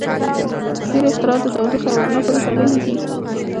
• ډیری اختراعات د تودوخې او رڼا پورې تړلي دي.